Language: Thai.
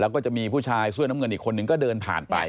แล้วก็จะมีผู้ชายเสื้อน้ำเงินอีกคนนึงก็เดินผ่านไป